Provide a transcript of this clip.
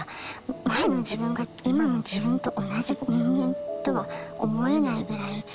前の自分が今の自分と同じ人間とは思えないぐらい。